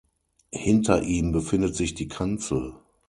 Hinter ihm befindet sich die Kanzel.